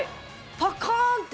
パッカーンって！